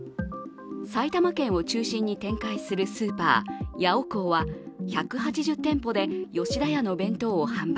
埼玉県を中心に展開するスーパー、ヤオコーは１８０店舗で吉田屋の弁当を販売。